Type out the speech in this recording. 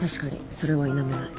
それは否めない。